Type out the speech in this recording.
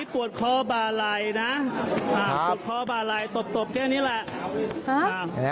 ปวดข้อบาลัยนะปวดข้อบาลัยตบแค่นี้แหละ